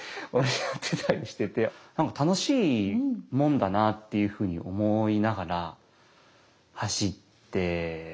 楽しいもんだなっていうふうに思いながら走ってましたね。